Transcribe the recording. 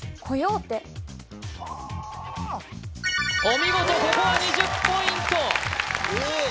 お見事ここは２０ポイントいい！